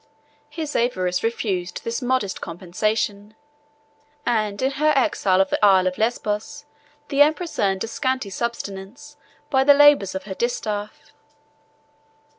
His avarice refused this modest compensation; and, in her exile of the Isle of Lesbos, the empress earned a scanty subsistence by the labors of her distaff.